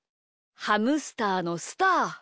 ハムスターのスター。